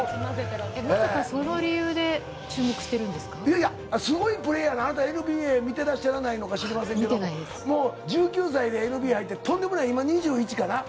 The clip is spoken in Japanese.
まさかその理由で注目してるすごいプレーヤーが、あなた、ＮＢＡ見てらっしゃらないのかしりませんけども、１９歳でＮＢＡ入って、とんでもない、今、２１かな？